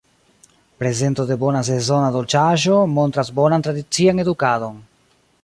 Prezento de bona sezona dolĉaĵo montras bonan tradician edukadon.